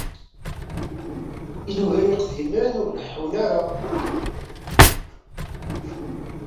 Ilugan iqdimen ur leḥḥun ara.